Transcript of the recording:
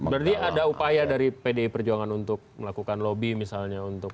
berarti ada upaya dari pdi perjuangan untuk melakukan lobby misalnya untuk